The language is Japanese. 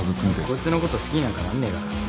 こいつのこと好きになんかなんねえから。